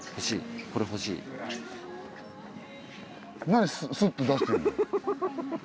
何スッて出してんの？